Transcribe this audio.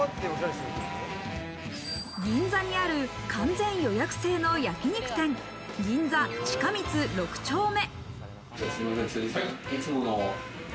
銀座にある完全予約制の焼肉店、銀座ちかみつ六丁目。